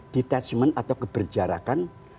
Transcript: detachment atau keberjarakan